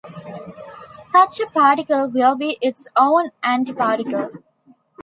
Such a particle will be its own antiparticle.